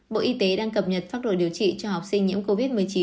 bộ y tế đang cập nhật phát đổi điều trị cho học sinh nhiễm covid một mươi chín